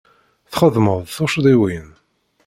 Txedmeḍ tuccḍiwin.